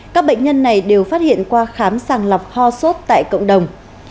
các bệnh nhân này đều phát hiện qua khám sàng lọc ho sốt tại cộng đồng